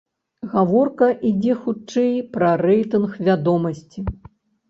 Гаворка ідзе хутчэй пра рэйтынг вядомасці.